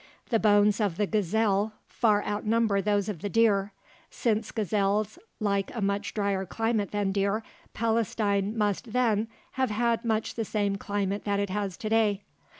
The bones of the gazelle far outnumber those of the deer; since gazelles like a much drier climate than deer, Palestine must then have had much the same climate that it has today.